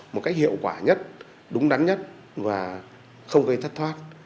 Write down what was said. một cách hiệu quả nhất đúng đắn nhất và không gây thất thoát